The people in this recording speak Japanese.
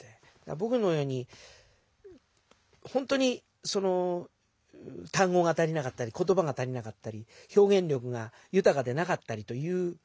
ぼくのようにほんとにたん語が足りなかったり言葉が足りなかったり表現力がゆたかでなかったりという。